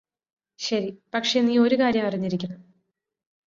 ശരി പക്ഷേ നീ ഒരു കാര്യം അറിഞ്ഞിരിക്കണം